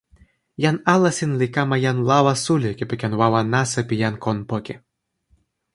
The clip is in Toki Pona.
jan Alasin li kama jan lawa suli kepeken wawa nasa pi jan kon poki.